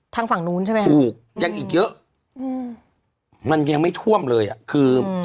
ทางฝั่งนู้นใช่ไหมคะถูกยังอีกเยอะอืมมันยังไม่ท่วมเลยอ่ะคือ